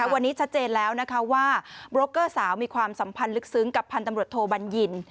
วันนี้ชัดเจนแล้วนะคะว่าโบรกเกอร์สาวมีความสัมพันธ์ลึกซึ้งกับพันธุ์ตำรวจโทบัญญิน